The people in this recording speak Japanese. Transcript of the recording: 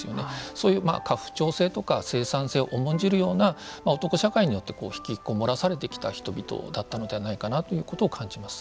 そういう家父長制とか生産性を重んじるような男社会によってひきこもらされてきた人々だったのではないかなということを感じます。